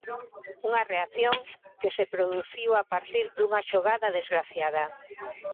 Unha reacción que se produciu a partir dunha xogada desgraciada.